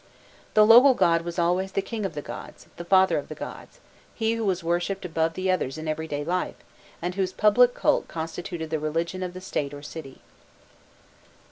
The local god was always the king of the gods, the father of the gods, he who was worshipped above the others in everyday life, and whose public cult constituted the religion of the State or city.